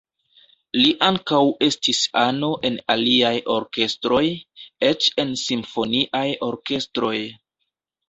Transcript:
Li ankaŭ estis ano en aliaj orkestroj, eĉ en simfoniaj orkestroj.